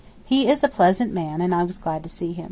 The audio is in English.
He is a pleasant man and I was glad to see him.